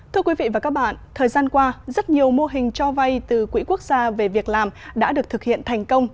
thưa quý vị và các bạn thời gian qua rất nhiều mô hình cho vay từ quỹ quốc gia về việc làm đã được thực hiện thành công